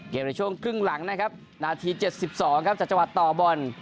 เกมในช่วงครึ่งหลังนะครับนาทีเจ็ดสิบสองครับจังหวัดต่อบอล